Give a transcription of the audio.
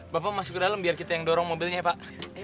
bapak masuk ke dalam biar kita yang dorong mobilnya ya pak